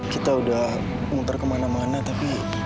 kita udah muter kemana mana tapi